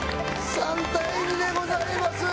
３対２でございます。